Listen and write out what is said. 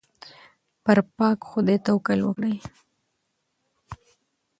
پر پاک خدای توکل وکړئ.